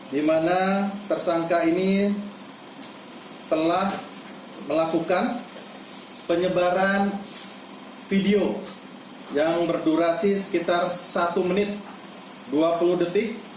di mana tersangka ini telah melakukan penyebaran video yang berdurasi sekitar satu menit dua puluh detik